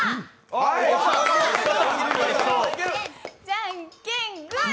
じゃんけん、パー！